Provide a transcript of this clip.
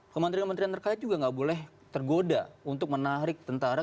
kementerian kementerian terkait juga nggak boleh tergoda untuk menarik tentara